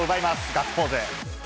ガッツポーズ。